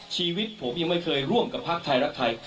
ชีวิตผมยังไม่เคยร่วมกับภาคไทยรักไทย